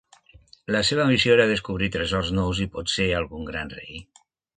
La seva ambició era descobrir tresors nous i potser algun gran rei.